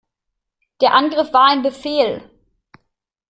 Der Angriff war ein Befehl!